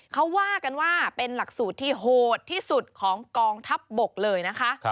เขาว่ากันว่าเป็นหลักสูตรที่โหดที่สุดของกองทัพบกเลยนะคะ